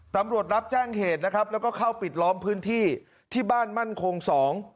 ตำรวจรับแจ้งเหตุนะครับแล้วก็เข้าปิดล้อมพื้นที่ที่บ้านมั่นคงสอง